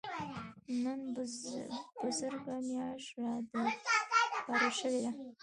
نن بزرګه مياشت رادبره شوې ده.